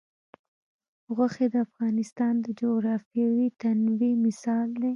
غوښې د افغانستان د جغرافیوي تنوع مثال دی.